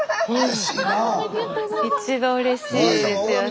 スタジオ一番うれしいですよね